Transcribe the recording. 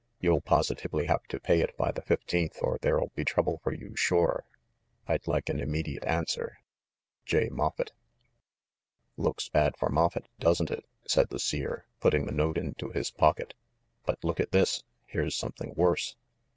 You'll positively have to pay it by the fifteenth or there'll be trouble for you sure. I'd like an immediate answer. J. MOFFETT." 1 "Looks bad for Moffett, doesn't it?" said the Seer, putting the note into his pocket. "But look at this! Here's something worse."